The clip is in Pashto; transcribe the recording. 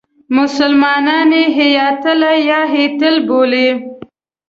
مسلمانان یې هیاتله یا هیتل بولي.